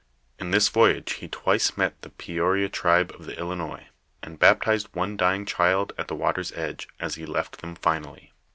In this voyage he twice met the Peoria tribe of the Ilinois, and baptized one dying child at the water's edge, as he left them finally.